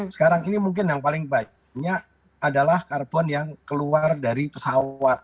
sekarang ini mungkin yang paling banyak adalah karbon yang keluar dari pesawat